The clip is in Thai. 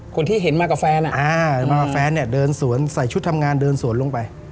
คุณที่เห็นมากับแฟนอ่ะอ่ามากับแฟนเนี่ยเดินศวรรณ์ใส่ชุดทำงานเดินศวรรณ์ลงไป